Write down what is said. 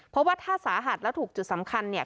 เพราะว่าถ้าสาหัสแล้วถูกจุดสำคัญเนี่ย